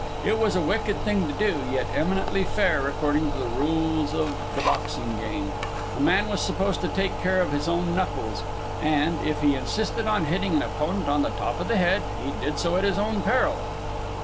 It was a wicked thing to do, yet eminently fair according to the rules of the boxing game. A man was supposed to take care of his own knuckles, and, if he insisted on hitting an opponent on the top of the head, he did so at his own peril.